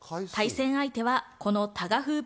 対戦相手はこのタガフープ